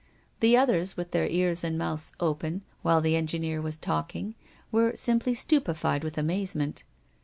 The others, with their ears and mouths open, while the engineer was talking, were simply stupefied with amazement.